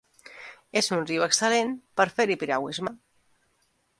És un riu excel·lent per fer-hi piragüisme.